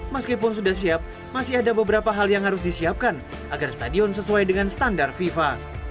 meskipun sudah siap masih ada beberapa hal yang harus disiapkan agar stadion sesuai dengan standar fifa